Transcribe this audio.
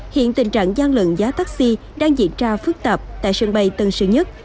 hiện tình trạng gian lận giá taxi đang diễn ra phức tạp tại sân bay tân sơn nhất